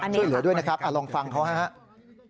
ช่วยเหลือด้วยนะครับลองฟังเขานะครับ